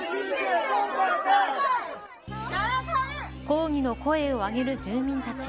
抗議の声を上げる住民たち。